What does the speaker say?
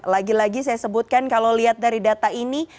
lagi lagi saya sebutkan kalau lihat dari data ini